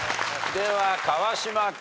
では川島君。